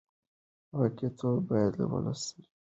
واقعیتونه باید له ولس سره شریک شي.